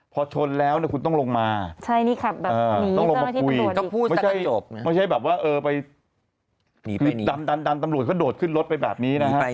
พอชนแล้วคุณต้องลงมาต้องลงมาคุยไม่ใช่แบบว่าเออไปดันตำรวจก็โดดขึ้นรถไปแบบนี้นะครับ